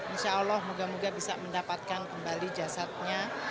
insya allah moga moga bisa mendapatkan kembali jasadnya